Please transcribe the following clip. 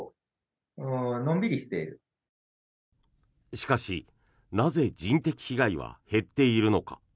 しかし、なぜ人的被害は減っているのか。